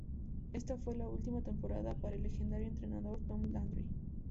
Esta fue la última temporada para el legendario entrenador Tom Landry.